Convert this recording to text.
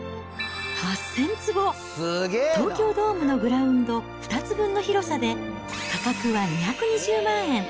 ８０００坪、東京ドームのグラウンド２つ分の広さで、価格は２２０万円。